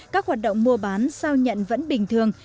các hoạt động mua bán sao nhận vẫn bình thường